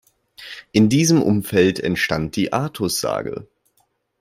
In diesem Umfeld entstand die Artus-Sage.